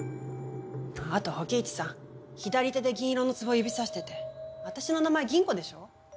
あと火鬼壱さん左手で銀色の壺指さしてて私の名前「銀子」でしょ。